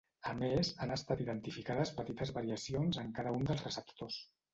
A més, han estat identificades petites variacions en cada un dels receptors.